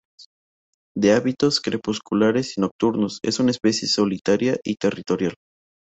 De hábitos crepusculares y nocturnos, es una especie solitaria y territorial.